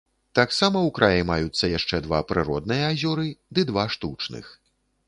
Таксама ў краі маюцца яшчэ два прыродныя азёры, ды два штучных.